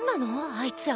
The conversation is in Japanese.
あいつら。